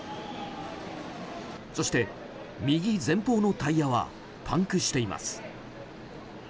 そして、右前方のタイヤはパンクしています。